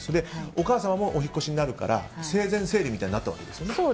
お母様もお引っ越しになるから生前整理みたいになったわけですね。